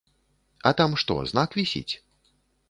А там што, знак вісіць?